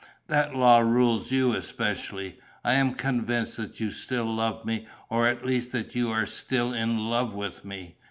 That law rules you especially. I am convinced that you still love me, or at least that you are still in love with me.